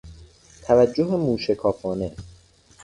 توجه موشکافانه